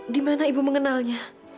dimana ibu mengenalnya